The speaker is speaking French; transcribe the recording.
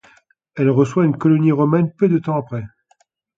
Elle reçoit une colonie romaine peu de temps après.